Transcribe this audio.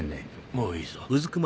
もういいぞ。